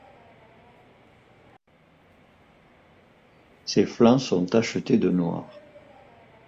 Ses flancs sont tachetés de noir.